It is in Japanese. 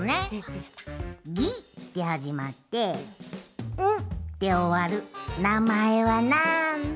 「ギ」ではじまって「ン」でおわるなまえはなんだ？